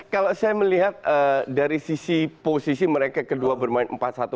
kalau saya melihat dari sisi posisi mereka kedua bermain empat satu